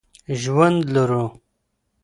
ژوند لرو.